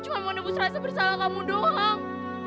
cuma mau nebus rasa bersalah kamu doang